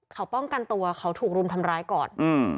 เขาป้องกันตัวเขาถูกรุมทำร้ายก่อน